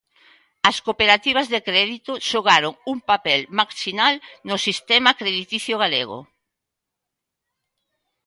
As cooperativas de crédito xogaron un papel marxinal no sistema crediticio galego.